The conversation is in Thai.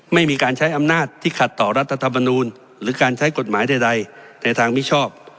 ไม่มีการใช้อำนาจที่ขัดต่อรัฐธรรมนูลหรือการใช้กฎหมายใดในทางมิชอบ